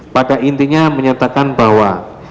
pada intinya menyatakan bahwa